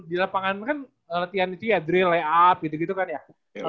di lapangan kan latihan itu ya drill layout gitu gitu kan ya